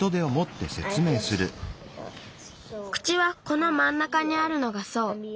口はこのまんなかにあるのがそう。